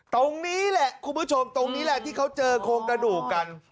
ตรงนี้แหละคุณผู้ชมตรงนี้แหละที่เขาเจอโครงกระดูกกัน